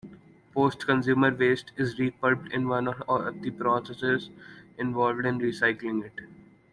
Post-consumer waste is re-pulped, in one of the processes involved in recycling it.